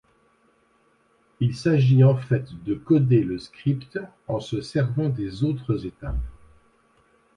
Il s'agit en fait de coder le script en se servant des autres étapes.